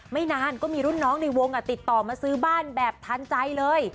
ไม่นานก็มีรุ่นน้องในวงติดต่อมาซื้อบ้านแบบทันใจเลย